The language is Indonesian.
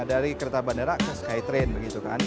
dari kereta bandara ke skytrain